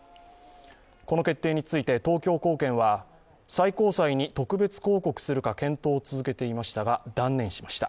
この決定について東京高検は最高裁に特別抗告するか検討を続けていましたが断念しました。